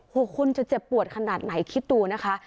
คนจะเจ็บปวดขนาดไหนคิดดูนะคะ